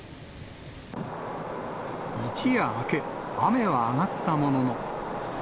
一夜明け、雨は上がったものの。